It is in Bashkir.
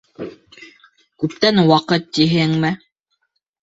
Күптән ваҡыт, тиһеңме?